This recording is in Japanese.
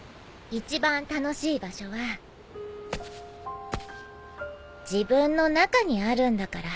一番楽しい場所は自分の中にあるんだから。